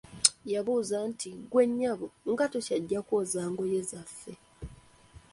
Yambuuza nti, "ggwe nnyabo, nga tokyajja kwoza ngoye zaffe?